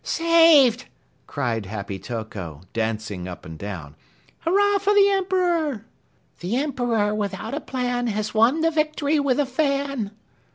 "Saved!" screamed Happy Toko, dancing up and down. "Hurrah for the Emperor!" The Emperor, without a plan, Has won the victory with a fan.